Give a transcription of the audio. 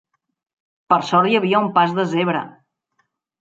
Per sort hi havia un pas de zebra.